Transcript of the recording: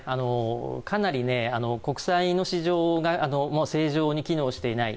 かなり国債の市場が正常に機能していない。